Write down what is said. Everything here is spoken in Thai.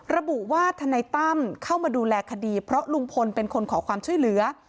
ระบุว่าทนายตั้มเข้ามาดูแลคดีเพราะลุงพลเป็นคนขอความช่วยเหลือ